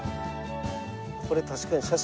これ確かに写真。